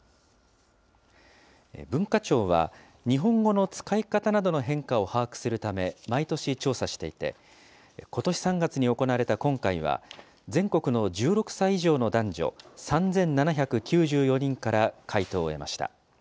文化庁は、日本語の使い方などの変化を把握するため、毎年調査していて、ことし３月に行われた今回は、全国の１６歳以上の男女３７９４人から回答を得ました。